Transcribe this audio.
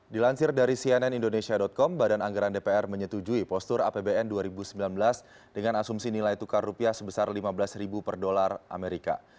dilansir dari cnn indonesia com badan anggaran dpr menyetujui postur apbn dua ribu sembilan belas dengan asumsi nilai tukar rupiah sebesar lima belas ribu per dolar amerika